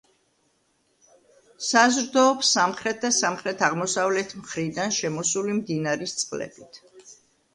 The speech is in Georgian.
საზრდოობს სამხრეთ და სამხრეთ-აღმოსავლეთ მხრიდან შემოსული მდინარის წყლებით.